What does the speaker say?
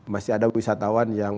masih ada wisatawan yang